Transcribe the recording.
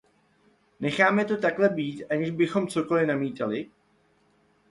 Necháme to takhle být, aniž bychom cokoli namítali?